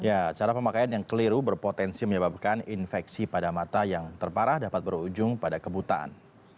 ya cara pemakaian yang keliru berpotensi menyebabkan infeksi pada mata yang terparah dapat berujung pada kebutaan